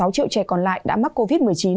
sáu triệu trẻ còn lại đã mắc covid một mươi chín